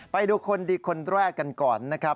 ไปดูคนดีคนแรกกันก่อนนะครับ